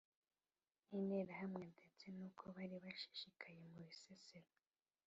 n Interahamwe ndetse n uko bari bashishikaye mu Bisesero